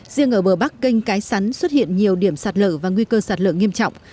riêng ở bờ bắc kênh cái sắn xuất hiện nhiều điểm sạt lở và nguy cơ sạt lở nghiêm trọng